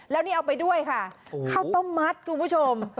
แล้วนี่เอาไปด้วยค่ะข้าวต้มมัดคุณผู้ชม